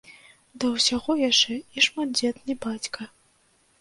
Да ўсяго, яшчэ і шматдзетны бацька.